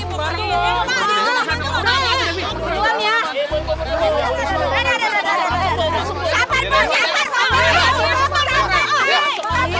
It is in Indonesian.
tunggu nanti aku bakal datang